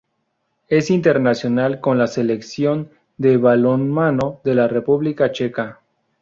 Es internacional con la Selección de balonmano de la República Checa.